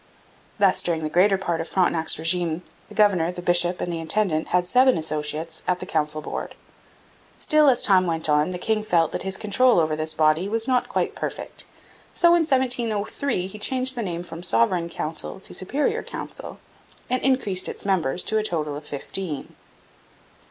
Thus during the greater part of Frontenac's regime the governor, the bishop, and the intendant had seven associates at the council board. Still, as time went on, the king felt that his control over this body was not quite perfect. So in 1703 he changed the name from Sovereign Council to Superior Council, and increased its members to a total of fifteen.